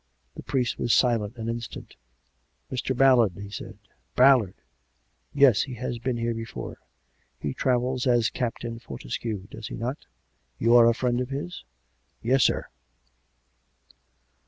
The priest was silent an instant. " Mr. Ballard/' he said. " Ballard ! Yes ; he has been here before. He travels as Captain Fortescue, does he not.'' You are a friend of his ?"■" Yes, sir."